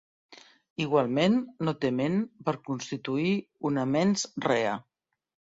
Igualment, no té ment per constituir una "mens rea".